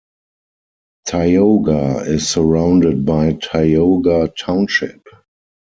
Tioga is surrounded by Tioga Township.